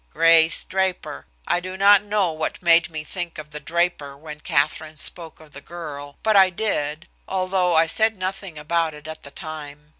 "Grace Draper. I do not know what made me think of the Draper when Katherine spoke of the girl, but I did, although I said nothing about it at the time.